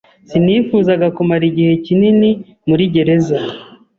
Sinifuzaga kumara igihe kinini muri gereza.